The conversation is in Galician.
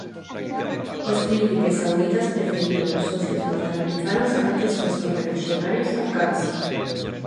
Os príncipes sauditas preferiron aos socios norteamericanos antes que aos correlixionarios afgáns.